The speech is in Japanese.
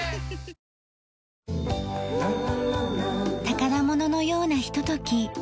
宝物のようなひととき。